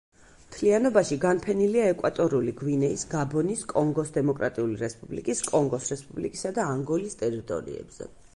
მთლიანობაში განფენილია ეკვატორული გვინეის, გაბონის, კონგოს დემოკრატიული რესპუბლიკის, კონგოს რესპუბლიკისა და ანგოლის ტერიტორიებზე.